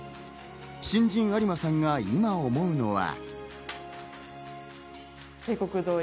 新人・有馬さんが今、思うのは。